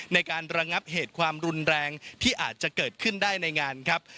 ในการระงับเหตุความรุนแรงที่อาจจะเกิดขึ้นได้ในงานครับ